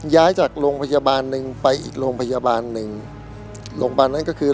ย้ายจากโรงพยาบาลหนึ่งไปอีกโรงพยาบาลหนึ่งโรงพยาบาลนั้นก็คือ